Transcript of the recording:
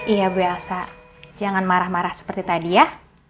iya bu elsa jangan marah marah seperti tadi ya